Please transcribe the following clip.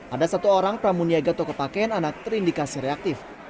ada satu orang pramuniaga atau kepakean anak terindikasi reaktif